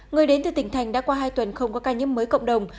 người đến từ tỉnh thành đã qua hai tuần không có ca nhiễm mới cộng đồng